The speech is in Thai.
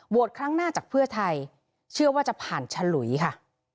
ครั้งหน้าจากเพื่อไทยเชื่อว่าจะผ่านฉลุยค่ะ